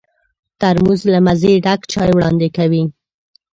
ترموز له مزې ډک چای وړاندې کوي.